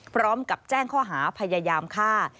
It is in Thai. พร้อมกับแจ้งข้อหาพยายามฆ่า